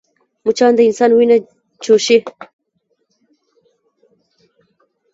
مچان د انسان وینه چوشي